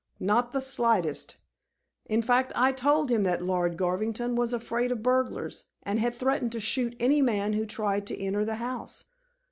"Not the slightest. In fact, I told him that Lord Garvington was afraid of burglars, and had threatened to shoot any man who tried to enter the house."